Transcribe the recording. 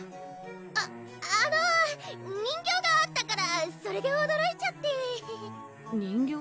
ああの人形があったからそれでおどろいちゃって人形？